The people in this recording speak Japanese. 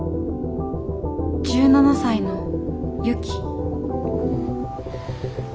１７才のユキ。